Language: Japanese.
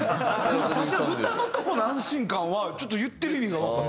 確かに歌のとこの安心感は言ってる意味がわかる。